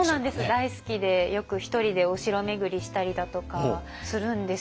大好きでよく１人でお城巡りしたりだとかするんですよ。